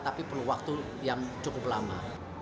tapi perlu waktu yang cukup lama